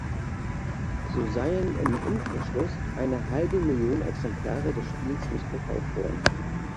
So seien im Umkehrschluss eine halbe Million Exemplare des Spiels nicht verkauft worden.